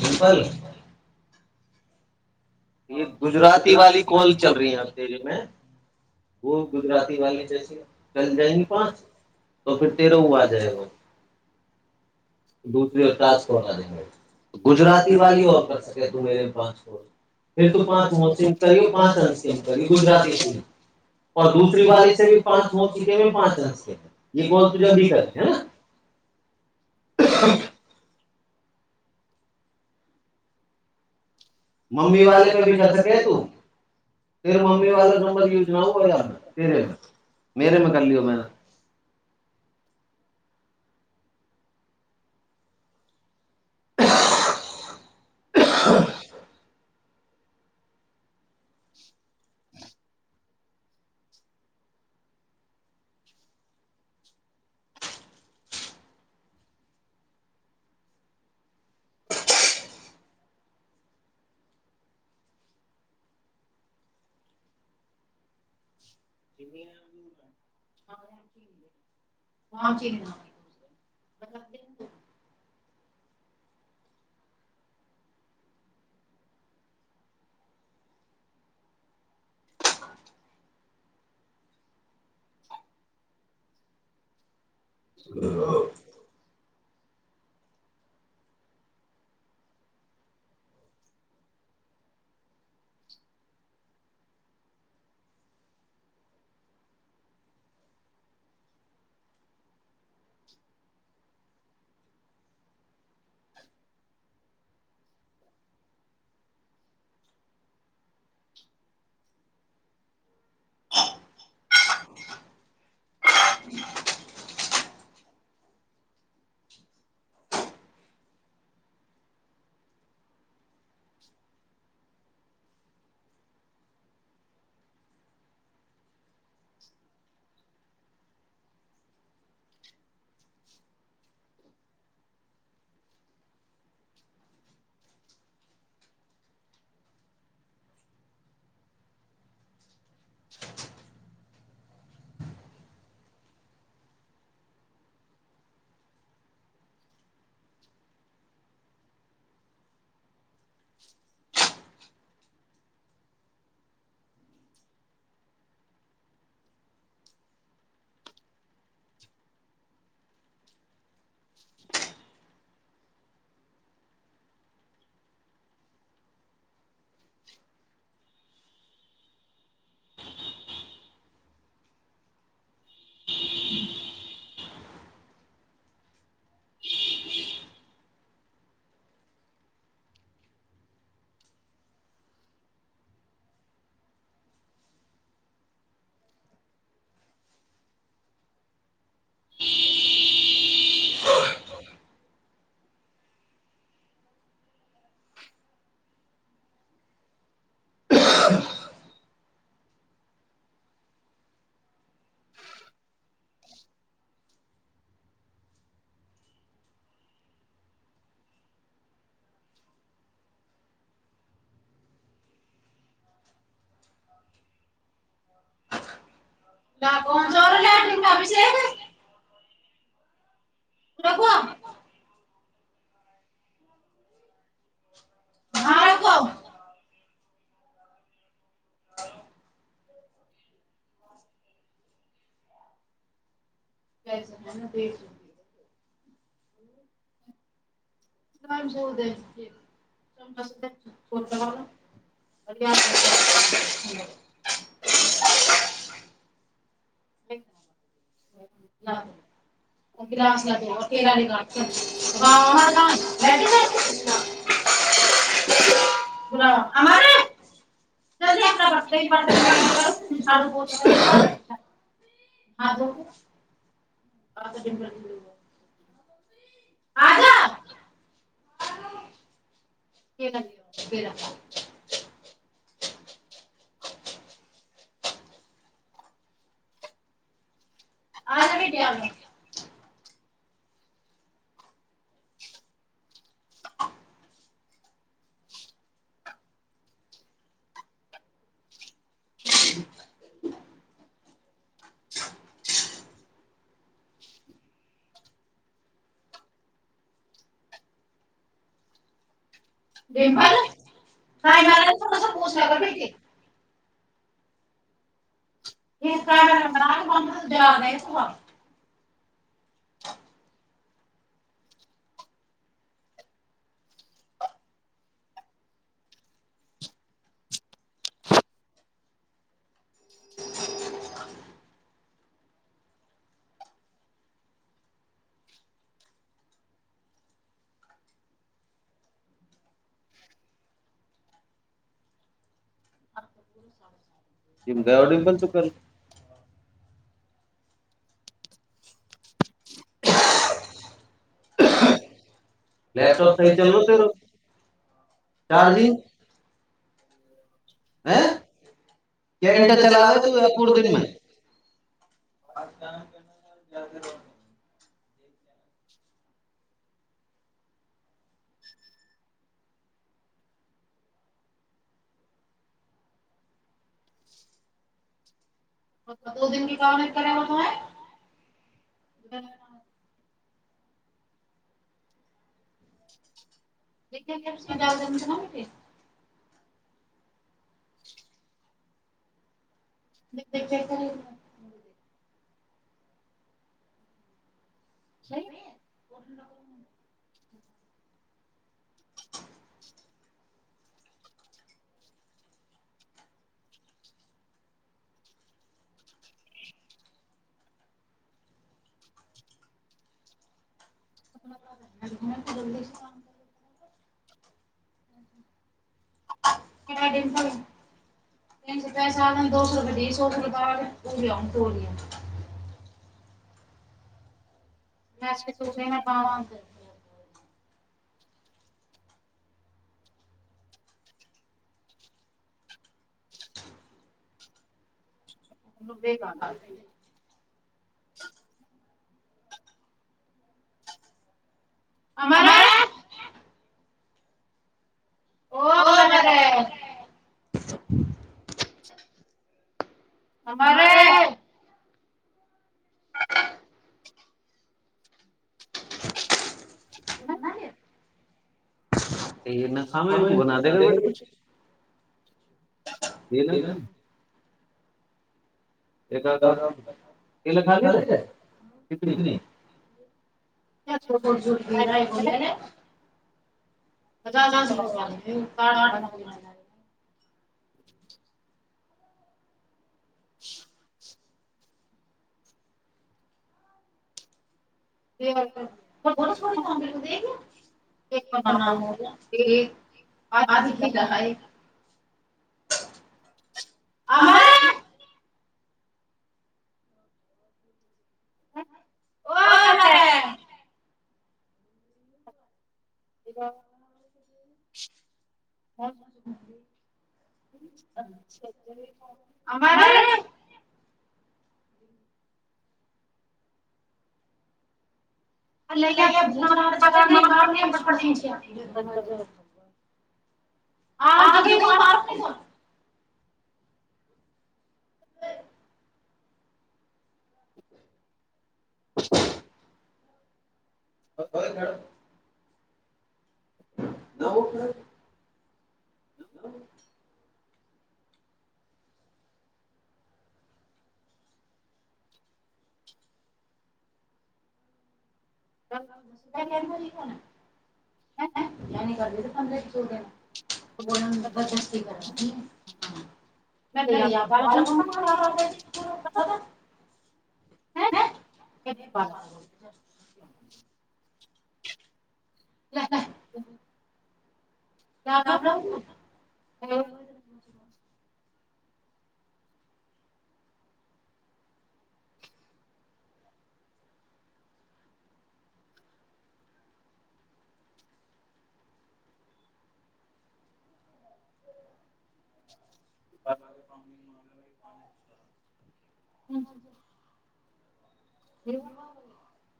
[inaudible] ફલ એ ગુજરાતી વાી કોલ ચલ રહી હ આપ દેરી મે વ ગુજરાતી વાી જૈસી ચલ જાયંગી પાંચ તો ફ તેર વ આ જાય દુસરે તશના દે ગુજરાતી વાી કર સકે તુંરે પાંચો ફર તો પાંચ મોશ કરી પાંચ અંશ કે કર ગુજરાતી દુસરી વાી પાંચ મોસ કે પાંચ અંશ કોલ ત જદી કરે હે હ મમ્મી વાલે પ ભી કર સકે તું ફ મમ્મી વાો નંબર યુજ ના હો તેરે મે મેરે મે કર લયો મે [inaudible] [inaudible] [inaudible] [inaudible] [inaudible] [inaudible] [inaudible] [inaudible] [inaudible] [inaudible] [inaudible] [inaudible] [inaudible] લ કોણ જો લટ અભિષેક ના કવા [inaudible] હ બહદ [inaudible] ચમચધ થો ગલાસ લે કેલાાુ જલ્દી આપણા પાકી બરતન ખ સારું પો [inaudible] [inaudible] હાજા ઘરા બેરા આ વીટિયા [unintelligible] બિમ્પલ હાાય મ થોડસ પોચ લ કર ભ બેઠે ક કર બ જલા દ એ વા જેમ ગવડીમ બલ તું કર [inaudible] લેપટોપ સહી ચાલલો ત ચાર્જિંગ હ બે ઘંટા ચલાવે પૂરે દન મે યાદ કર તો દન કન કર્યાલો તમે [inaudible] દ છે ડાલ જ છે ના બેઠ દખાય કર [inaudible] [inaudible] આપણા [inaudible] હ ડિમપલ તનસો પસાને દોસો રૂપિયા દઈ સોો ર આ તોલી મે બાંધ કરતી [inaudible] [inaudible] અમારા ઓ મારે [unintelligible] તમામારે એ એ ના ખામ એન બના દેગ બેટા કછ દે ના. જ કની છૂટ છૂઠ ફીરા એ ખલને ું ઘાટમાં [inaudible] [inaudible] છો છો કામ દેયા એક નામ હો એક આ એક [inaudible] [inaudible] [inaudible] [inaudible] [unintelligible] [inaudible] [inaudible] [inaudible] લઈ ભૂત જ માડચ [inaudible] [inaudible] [inaudible] હોવે ખ [inaudible] [inaudible] કેમ નેનીક પંદ ચોડ ઓણ લજતી બરાજી [inaudible] ન દયા ભાલ મલો વદ [inaudible] [inaudible] [unintelligible] [inaudible] [inaudible] હા.. જી.. [unintelligible]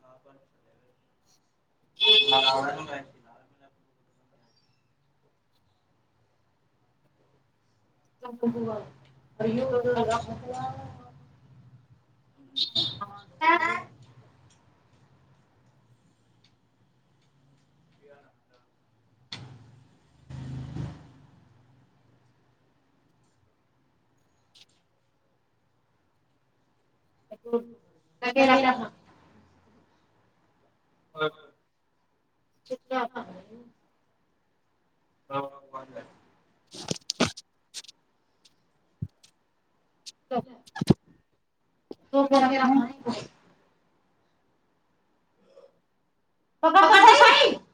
હા પણ.. જાવાનું થાય છે. [unintelligible] હા્ [unintelligible] [inaudible] ના દે રહા.. પણ ફિર ક્યા અબ [inaudible] તો તો ગયા ભાઇ... તો કર તો સહી.